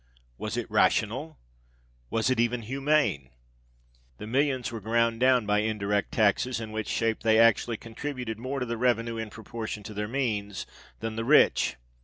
was it rational? was it even humane? The millions were ground down by indirect taxes, in which shape they actually contributed more to the revenue, in proportion to their means, than the rich.